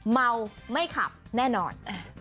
เมาไม่ขับแน่นอน